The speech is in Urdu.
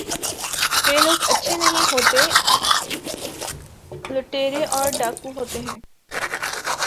یہ لوگ اچھے نہیں ہوتے ، لٹیرے اور ڈاکو ہوتے ہیں ۔